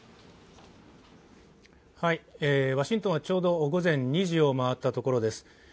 ワシントンはちょうど午前２時を回ったところです。